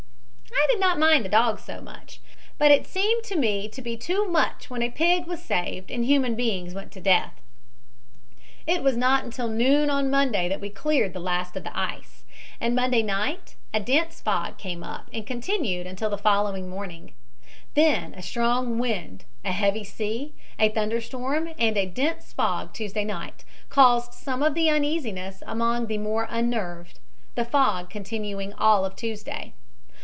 I did not mind the dogs so much, but it seemed to me to be too much when a pig was saved and human beings went to death. "It was not until noon on Monday that we cleared the last of the ice, and Monday night a dense fog came up and continued until the following morning, then a strong wind, a heavy sea, a thunderstorm and a dense fog Tuesday night, caused some uneasiness among the more unnerved, the fog continuing all of Tuesday.